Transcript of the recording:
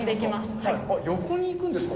横に行くんですか？